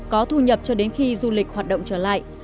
có thu nhập cho đến khi du lịch hoạt động trở lại